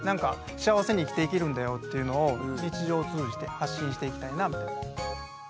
幸せに生きていけるんだよっていうのを日常を通じて発信していきたいなみたいな。